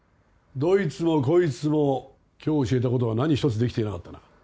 どいつもこいつも今日教えたことが何一つできていなかったな。